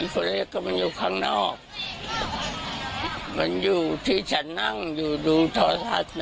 ค่ะเห็นมันอยู่ข้างนอกมันอยู่ที่ฉันนั่งอยู่ดูทศาสน์มันอ่ะ